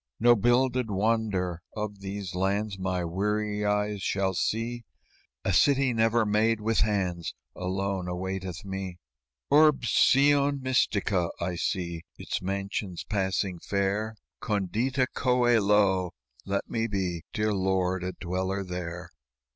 "No builded wonder of these lands My weary eyes shall see; A city never made with hands Alone awaiteth me "'Urbs Syon mystica;' I see Its mansions passing fair, 'Condita coelo;' let me be, Dear Lord, a dweller there!"